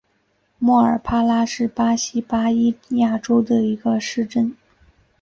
莫尔帕拉是巴西巴伊亚州的一个市镇。